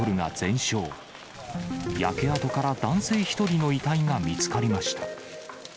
焼け跡から男性１人の遺体が見つかりました。